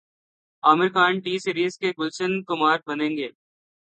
عامر Khan T Series کے گلشن کمار بنیں گے